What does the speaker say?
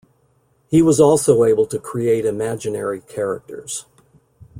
He was also able to create imaginary characters.